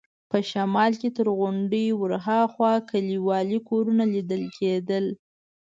په شمال کې تر غونډیو ورهاخوا کلیوالي کورونه لیدل کېده.